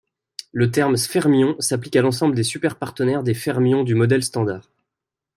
Le terme sfermion s'applique à l'ensemble des superpartenaires des fermions du modèle standard.